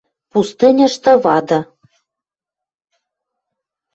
Пустыньышты вады